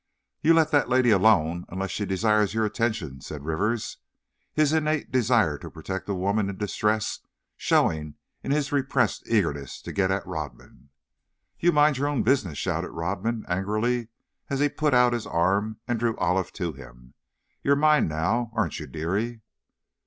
"You let that lady alone, unless she desires your attentions," said Rivers, his innate desire to protect a woman in distress showing in his repressed eagerness to get at Rodman. "You mind your own business!" shouted Rodman, angrily, as he put out his arm and drew Olive to him. "You're mine, now, aren't you, dearie?"